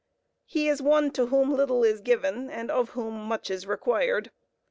He is one to whom little is given and of whom much is required.